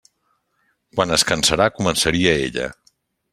Quan es cansara començaria ella.